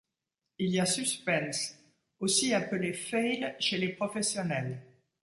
Il y a suspens, aussi appelé 'fail' chez les professionnels.